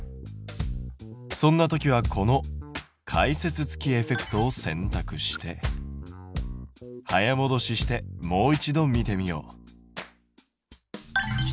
そんな時はこの解説付きエフェクトを選択して早もどししてもう一度見てみよう。